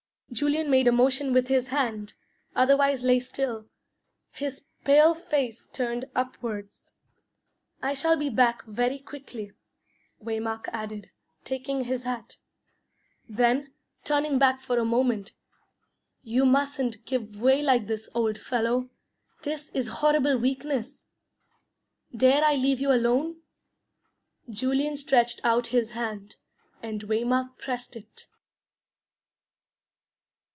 Julian made a motion with his hand, otherwise lay still, his pale face turned upwards. "I shall be back very quickly," Waymark added, taking his hat. Then, turning back for a moment, "You mustn't give way like this, old fellow; this is horrible weakness. Dare I leave you alone?" Julian stretched out his hand, and Waymark pressed it.